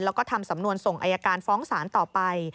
แล้วก็ทำสำนวนส่งอายการฟ้องศาลต่อไป